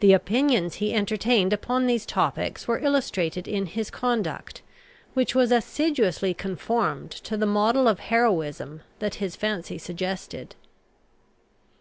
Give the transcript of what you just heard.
The opinions he entertained upon these topics were illustrated in his conduct, which was assiduously conformed to the model of heroism that his fancy suggested.